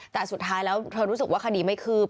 แต่สุดท้ายแล้วเธอรู้สึกว่าคดีไม่คืบ